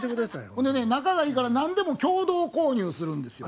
ほんでね仲がいいから何でも共同購入するんですよ。